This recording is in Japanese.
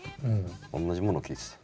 同じもの聴いてた。